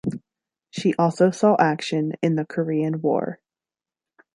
She also saw action in the Korean War.